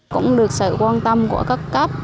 cũng được sự quan tâm của các cấp